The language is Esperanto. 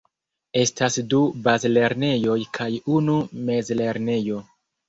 Estas du bazlernejoj kaj unu mezlernejo.